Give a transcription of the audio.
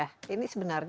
ini sebenarnya pembayaran